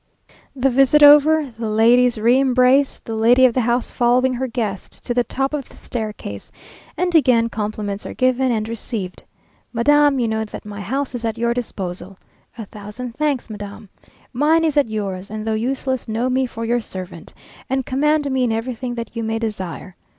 The visit over, the ladies re embrace, the lady of the house following her guest to the top of the staircase, and again compliments are given and received. "Madam, you know that my house is at your disposal." "A thousand thanks, madam. Mine is at yours, and though useless, know me for your servant, and command me in everything that you may desire."